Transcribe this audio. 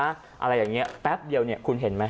อะไรอย่างนี้แป๊บเดียวเนี่ยคุณเห็นไหม